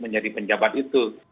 menjadi penjabat itu